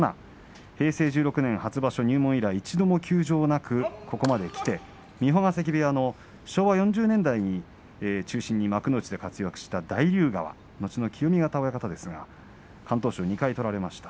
平成１６年初場所入門以来一度も休場なくここまできて三保ヶ関部屋の昭和４０年代に中心に幕内で活躍した大竜川後の清見潟親方ですが敢闘賞を２回取られました。